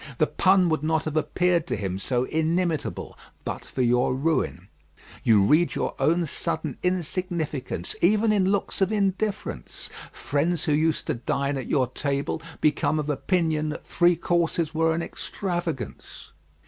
The pun would not have appeared to him so inimitable but for your ruin. You read your own sudden insignificance even in looks of indifference. Friends who used to dine at your table become of opinion that three courses were an extravagance.